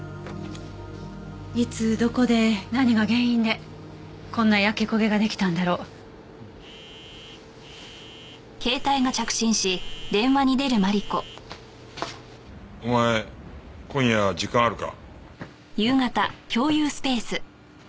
いつどこで何が原因でこんな焼け焦げが出来たんだろう？お前今夜時間あるか？